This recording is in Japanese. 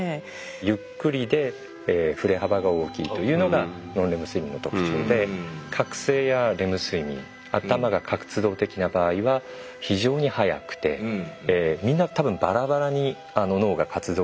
ゆっくりで振れ幅が大きいというのがノンレム睡眠の特徴で覚醒やレム睡眠頭が活動的な場合は非常に速くてみんな多分ばらばらに脳が活動しているので。